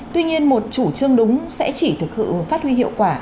tuy nhiên một chủ trương đúng sẽ chỉ thực sự phát huy hiệu quả